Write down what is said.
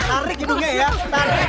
tarik hidungnya ya tarik